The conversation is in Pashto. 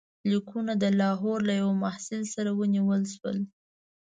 لیکونه د لاهور له یوه محصل سره ونیول شول.